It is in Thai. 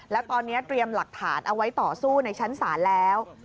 แล้วตอนนี้เตรียมหลักฐานเอาไว้ต่อสู้ในชั้นศาลแล้ว